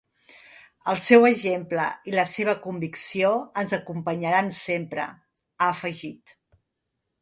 El seu exemple i la seva convicció ens acompanyaran sempre, ha afegit.